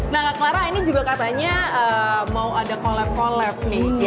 nah clara ini juga katanya mau ada collab collab nih